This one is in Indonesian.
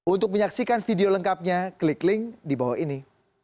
untuk menyaksikan video lengkapnya klik link di bawah ini